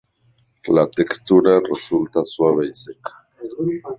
La textura resulta suave y seca.